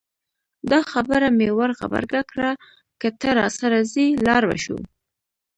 دا خبره مې ور غبرګه کړه که ته راسره ځې لاړ به شو.